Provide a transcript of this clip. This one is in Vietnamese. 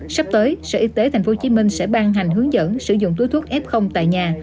sắp tới sở y tế tp hcm sẽ ban hành hướng dẫn sử dụng túi thuốc f tại nhà